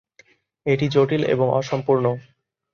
এটি জটিল এবং অসম্পূর্ণ।